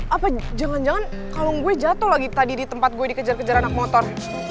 apa jangan jangan kalung gue jatuh lagi tadi di tempat gue dikejar kejar anak motor